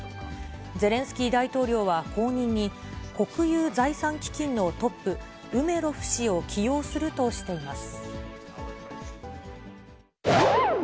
ゼレンスキー大統領は後任に、国有財産基金のトップ、ウメロフ氏を起用するとしています。